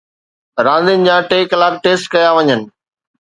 راندين جا ٽي ڪلاڪ ٽيسٽ ڪيا وڃن